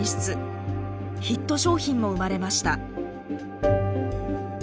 ヒット商品も生まれました。